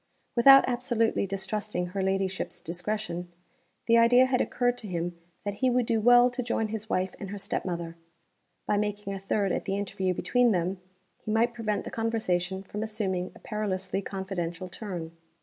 Without absolutely distrusting her ladyship's discretion, the idea had occurred to him that he would do well to join his wife and her step mother. By making a third at the interview between them, he might prevent the conversation from assuming a perilously confidential turn.